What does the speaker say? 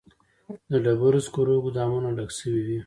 د ډبرو سکرو ګودامونه ډک شوي وي